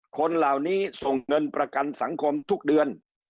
คนเหล่านี้ส่งเงินประกันสังคมทุกเดือน